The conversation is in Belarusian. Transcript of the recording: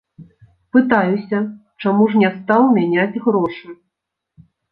Пытаюся, чаму ж не стаў мяняць грошы.